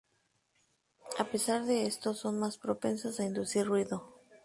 A pesar de esto son más propensas a inducir ruido.